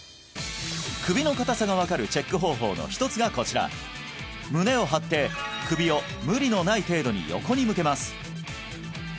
首の硬さが分かるチェック方法の一つがこちら胸を張って首を無理のない程度に横に向けます